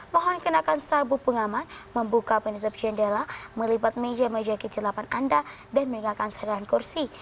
mohon kenakan sabuk pengaman membuka penutup jendela melipat meja meja kecil delapan anda dan meninggalkan serian kursi